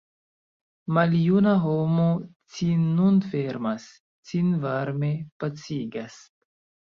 Maljuna homo cin nun fermas, cin varme pacigas.